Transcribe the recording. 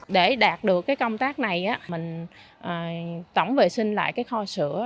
để đạt được công tác này mình tổng vệ sinh lại kho sữa